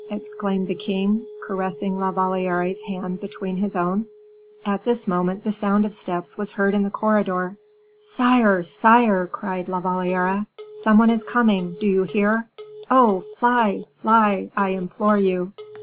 exclaimed the king, caressing La Valliere's hand between his own. At this moment the sound of steps was heard in the corridor. "Sire! sire!" cried La Valliere, "some one is coming; do you hear? Oh, fly! fly! I implore you."